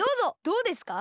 どうですか？